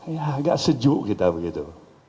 ya agak sejuk kita begitu